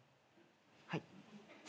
はい？